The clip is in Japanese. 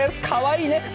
かわいいね！